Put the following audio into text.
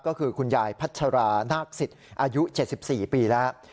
ก็คือคุณยายพัชรานาคสิทธิ์อายุ๗๔ปีแล้ว